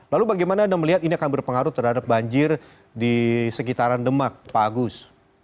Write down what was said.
lalu bagaimana anda melihat ini akan berpengaruh terhadap banjir di sekitaran demak pak agus